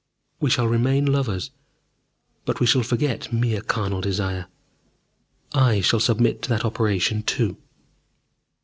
We shall remain lovers, but we shall forget mere carnal desire. I shall submit to that operation too!"